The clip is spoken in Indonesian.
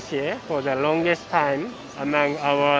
di antara pembangunan jepang